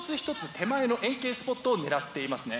手前の円形スポットを狙っていますね。